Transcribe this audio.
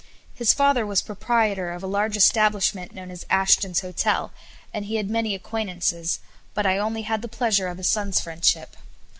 His father was proprietor of a large establishment known as "Ashton's Hotel," and he had many acquaintances, but I only had the pleasure of his son's friendship.